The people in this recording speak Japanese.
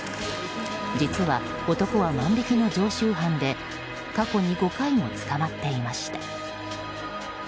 実は、男は万引きの常習犯で過去に５回も捕まっていました。